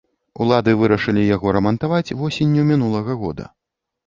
Улады вырашылі яго рамантаваць восенню мінулага года.